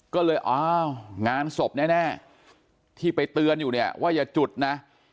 ก็เลยอ้าวงานศพแน่ที่ไปเตือนอยู่เนี่ยว่าอย่าจุดนะ